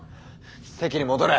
席に戻れ。